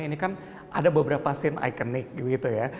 ini kan ada beberapa scene ikonik gitu ya